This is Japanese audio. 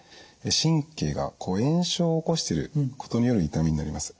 神経が炎症を起こしてることによる痛みになります。